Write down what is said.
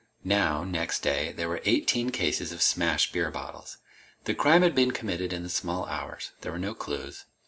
Now, next day, there were eighteen cases of smashed beer bottles. The crime had been committed in the small hours. There were no clues.